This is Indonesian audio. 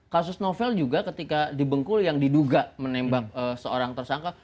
kasus novel juga ketika dibengkul yang diduga menembak seorang tersangka